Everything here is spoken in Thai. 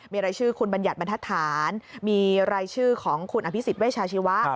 มีรายชื่อคุณบัญญัติบรรทัศน์มีรายชื่อของคุณอภิษฎเวชาชีวะ